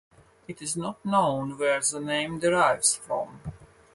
It is not known where the name derives from.